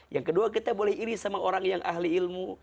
yang kedua kita boleh iri sama orang yang ahli ilmu